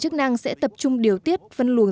chức năng sẽ tập trung điều tiết phân luồng